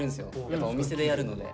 やっぱお店でやるので。